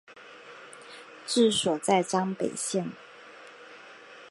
治所在张北县。